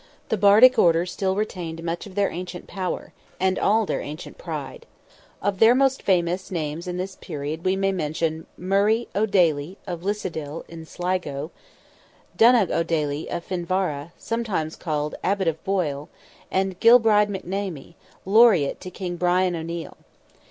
The Bardic order still retained much of their ancient power, and all their ancient pride. Of their most famous names in this period we may mention Murray O'Daly of Lissadil, in Sligo, Donogh O'Daly of Finvarra, sometimes called Abbot of Boyle, and Gilbride McNamee, laureate to King Brian O'Neil.